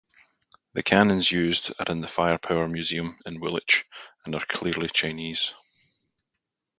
The cannons used are in the Firepower Museum in Woolwich and are clearly Chinese.